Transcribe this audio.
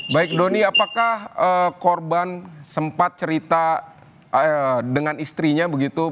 baik doni apakah korban sempat cerita dengan istrinya begitu